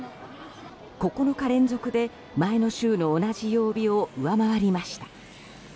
９日連続で前の週の同じ曜日を上回りました。